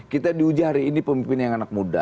kita diuji hari ini pemimpin yang anak muda